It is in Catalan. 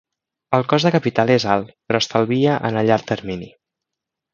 El cost de capital és alt, però estalvia en el llarg termini.